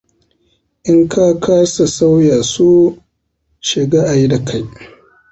In ka kasa sauya su, shiga ayi da kai.